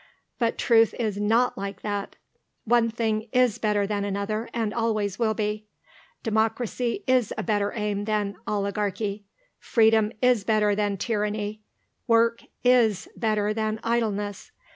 But truth is not like that. One thing is better than another, and always will be. Democracy is a better aim than oligarchy; freedom is better than tyranny; work is better than idleness.